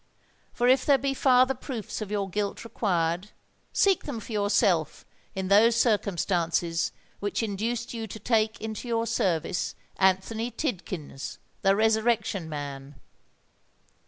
For if there be farther proofs of your guilt required, seek them for yourself in those circumstances which induced you to take into your service Anthony Tidkins, the Resurrection Man!"